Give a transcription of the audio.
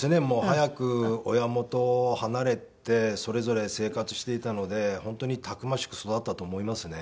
早く親元を離れてそれぞれ生活していたので本当にたくましく育ったと思いますね。